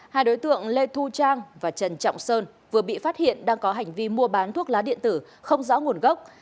hai đối tượng lê thu trang và trần trọng sơn vừa bị phát hiện đang có hành vi mua bán thuốc lá điện tử không rõ nguồn gốc